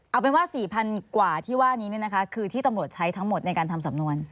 เอาเป็นว่า๔๐๐๐กว่าที่ว่านี้คือที่ตำรวจใช้ทั้งหมดในการทำสำนวน